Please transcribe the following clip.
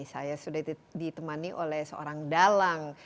saya sudah ditemani oleh seorang dalang